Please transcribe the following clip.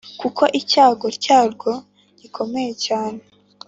kuko icyago cyarwo gikomeye cyane.